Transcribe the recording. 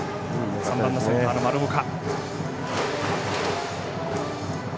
３番センターの丸岡。